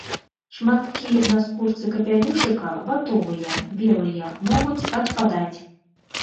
Шматкі на скурцы капялюшыка ватовыя, белыя, могуць адпадаць.